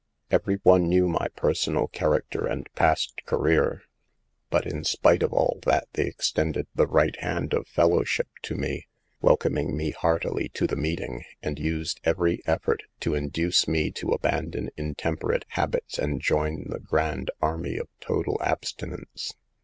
Every one knew my personal char acter and past career ; but, in spite of all that, they extended the right hand of fellowship to me, welcoming me heartily to the meeting, and used every effort to induce me to abandon HOW TO SAVE OUB EBBING SISTEBS. 235 intemperate habits, and join the grand army of total abstinence.